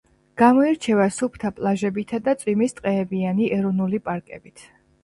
გამოირჩევა სუფთა პლაჟებითა და წვიმის ტყეებიანი ეროვნული პარკებით.